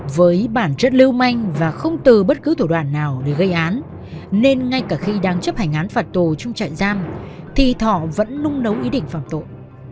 với bản chất lưu manh và không từ bất cứ thủ đoàn nào để gây án nên ngay cả khi đang chấp hành án phạt tù trong trại giam thì thọ vẫn nung nấu ý định phạm tội